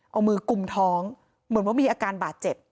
เอามือกุมท้องเหมือนว่ามีอาการบาดเจ็บ